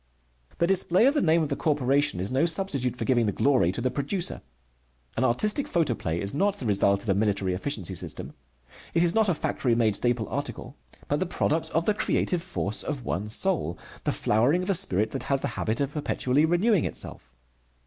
The display of the name of the corporation is no substitute for giving the glory to the producer. An artistic photoplay is not the result of a military efficiency system. It is not a factory made staple article, but the product of the creative force of one soul, the flowering of a spirit that has the habit of perpetually renewing itself.